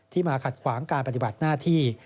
มาขัดขวางการปฏิบัติหน้าที่